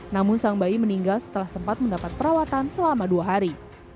namun sang bayi meninggal setelah sempat mendapat perawatan selama dua hari